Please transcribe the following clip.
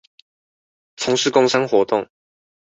從事工商活動